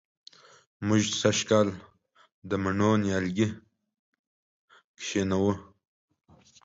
موږ سږ کال د مڼو نیالګي کېنوو